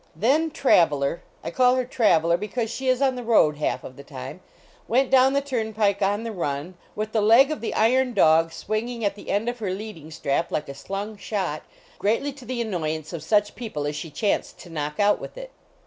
Then Traveler I call her Traveler because she is on the road half of the time went down the turnpike on the run, with the leg of the iron dog swinging at the end of her leading strap like a slung shot, greatly to the annoyance of such people as she chanced to knock out with it.